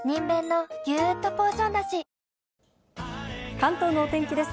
関東のお天気です。